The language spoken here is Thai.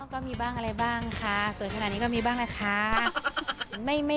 ก็มีบ้างอะไรบ้างค่ะสวยขนาดนี้ก็มีบ้างนะคะ